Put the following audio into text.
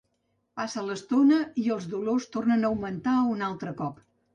Passa l’estona i els dolors tornen a augmentar un altre cop.